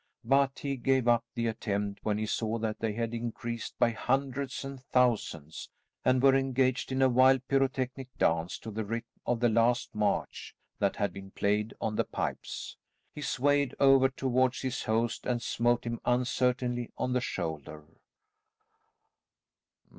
But he gave up the attempt when he saw that they had increased by hundreds and thousands, and were engaged in a wild pyrotechnic dance to the rhythm of the last march that had been played on the pipes. He swayed over towards his host and smote him uncertainly on the shoulder.